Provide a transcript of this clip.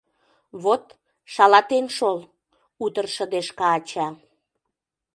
— Вот, шалатен шол! — утыр шыдешка ача.